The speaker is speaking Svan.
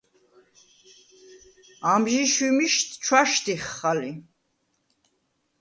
ამჟი შვიმიშდ ჩვაშდიხხ ალი.